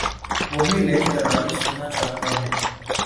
وہی لن ترانی سنا چاہتا ہوں